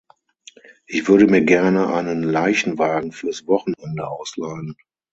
Ich würde mir gerne einen Leichenwagen fürs Wochenende ausleihen.